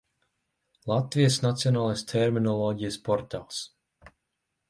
Latvijas Nacionālais terminoloģijas portāls